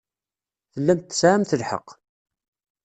Tellamt tesɛamt lḥeqq.